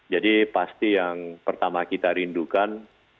jadi pasti yang pertama kita rindukan